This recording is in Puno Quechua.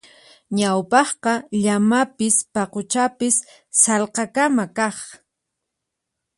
Ñawpaqqa llamapis paquchapis sallqakama kaq.